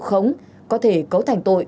khống có thể cấu thành tội